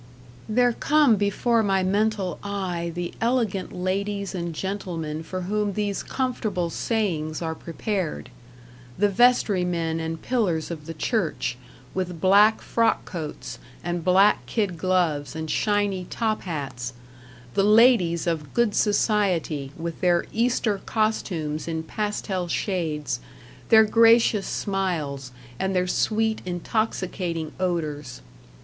There come before my mental eye the elegant ladies and gentlemen for whom these comfortable sayings are prepared: the vestrymen and pillars of the Church, with black frock coats and black kid gloves and shiny tophats; the ladies of Good Society with their Easter costumes in pastel shades, their gracious smiles and their sweet intoxicating odors.